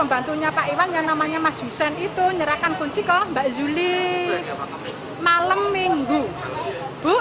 bantunya pak iwan yang namanya mas hussein itu nyerahkan kunci ke mbak zuli malam minggu bu